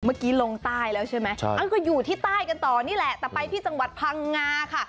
เมื่อกี้ลงใต้แล้วใช่ไหมก็อยู่ที่ใต้กันต่อนี่แหละแต่ไปที่จังหวัดพังงาค่ะ